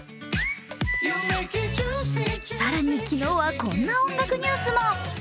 さらに昨日はこんな音楽ニュースも。